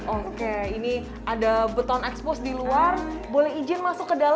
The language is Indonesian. oke ini ada beton expose di luar boleh izin masuk ke dalam